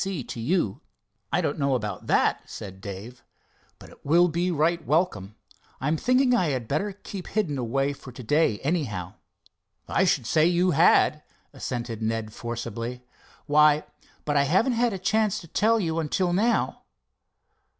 B. C. to you." "I don't know about that," said Dave, "but it will be right welcome. I'm thinking I had better keep hidden away for today, anyhow." "I should say you had," assented Ned forcibly. "Why—but I haven't had a chance to tell you until now."